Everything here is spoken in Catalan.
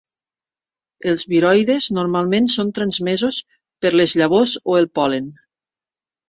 Els viroides normalment són transmesos per les llavors o el pol·len.